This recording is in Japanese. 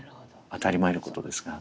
当たり前のことですが。